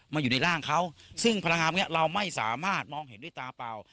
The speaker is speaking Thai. อยู่ในร่างเขาซึ่งพลังงานพวกนี้เราไม่สามารถมองเห็นด้วยตาเปล่า